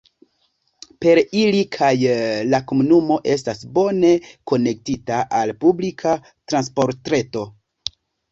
Per ili kaj la komunumo estas bone konektita al la publika transportreto.